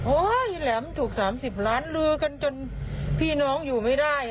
แหลมถูก๓๐ล้านลือกันจนพี่น้องอยู่ไม่ได้